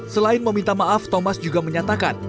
selain meminta maaf thomas juga menyatakan